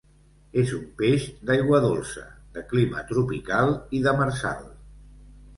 És un peix d'aigua dolça, de clima tropical i demersal.